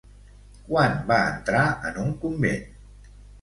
Quan va entrar en un convent?